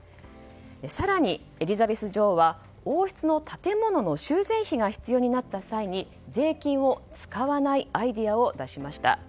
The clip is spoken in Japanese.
更にエリザベス女王は王室の建物の修繕費が必要になった際に税金を使わないアイデアを出しました。